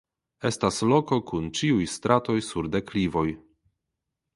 Estas loko kun ĉiuj stratoj sur deklivoj.